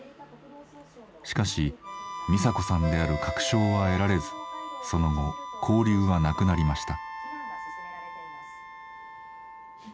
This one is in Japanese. しかしミサ子さんである確証は得られずその後交流はなくなりました。